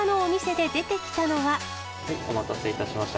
お待たせいたしました。